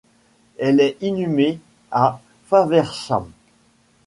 Elle est inhumée à Faversham.